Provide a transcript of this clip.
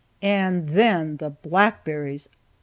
And then the blackberries!